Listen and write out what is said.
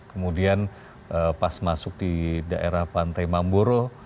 kemudian pas masuk di daerah pantai mamboro